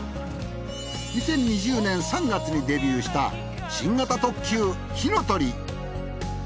２０２０年３月にデビューした新型特急ひのとり。